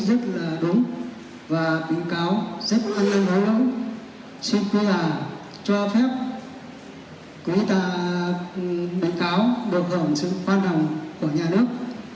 và bị cáo rất hình khẩn ăn năn hối lỗi xin quý bà cho phép quý bà bị cáo được hưởng sự khoan hồng của nhà nước